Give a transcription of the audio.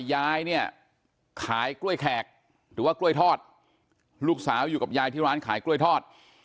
ยายเนี่ยขายกล้วยแขกหรือว่ากล้วยทอดลูกสาวอยู่กับยายที่ร้านขายกล้วยทอด